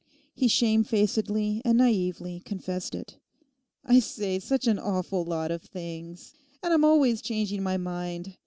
He shamefacedly and naively confessed it: 'I say such an awful lot of things. And I'm always changing my mind.